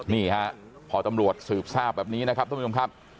นี่ฮะพอตำรวจสืบทราบแบบนี้นะครับท่านผู้ชมครับ